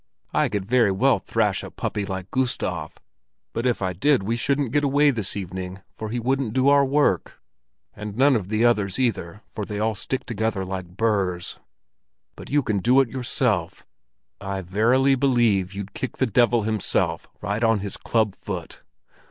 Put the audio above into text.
"I could very well thrash a puppy like Gustav, but if I did we shouldn't get away this evening, for he wouldn't do our work. And none of the others, either, for they all stick together like burrs. But you can do it yourself! I verily believe you'd kick the devil himself, right on his club foot!